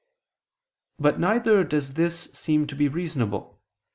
But neither does this seem to be reasonable.